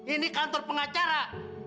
ini kantor pengacara